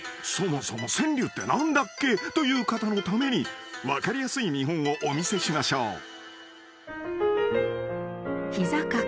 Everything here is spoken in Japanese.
［「そもそも川柳って何だっけ？」という方のために分かりやすい見本をお見せしましょう］